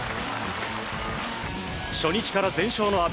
初日から全勝の阿炎。